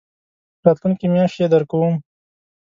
راتلونکې میاشت يي درکوم